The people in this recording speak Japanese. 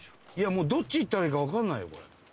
もうどっち行ったらいいかわかんないよこれ。